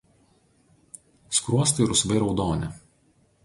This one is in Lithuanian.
Skruostai rusvai raudoni.